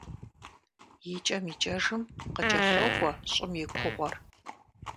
ИкӀэм-икӀэжым къыкӀэлъокӀуэ щӀым и кугъуэр.